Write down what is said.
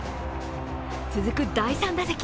続く第３打席。